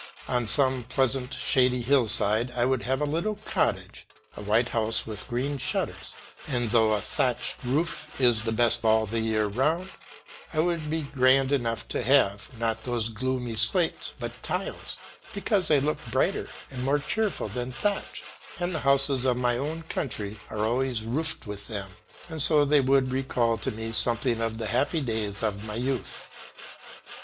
On some pleasant shady hill side I would have a little cottage, a white house with green shutters, and though a thatched roof is the best all the year round, I would be grand enough to have, not those gloomy slates, but tiles, because they look brighter and more cheerful than thatch, and the houses in my own country are always roofed with them, and so they would recall to me something of the happy days of my youth.